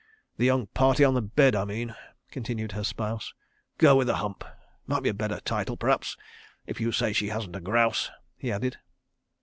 The young party on the bed, I mean," continued her spouse. "'Girl with the Hump' might be a better title p'r'aps—if you say she hasn't a grouse," he added.